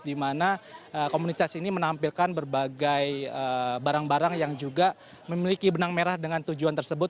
di mana komunitas ini menampilkan berbagai barang barang yang juga memiliki benang merah dengan tujuan tersebut